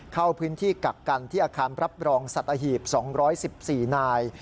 เข้าพื้นที่กักกันที่อาคารรับรองสัตหีบ๒๑๔นาย